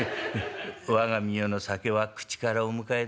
我がみよの酒は口からお迎えだい。